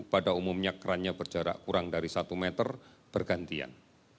pada umumnya kerannya berjarak kurang dari satu meter bergantian